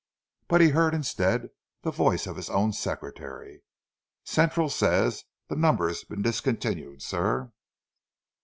But he heard, instead, the voice of his own secretary: "Central says the number's been discontinued, sir."